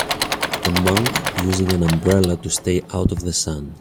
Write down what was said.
A monk using an umbrella to stay out of the sun.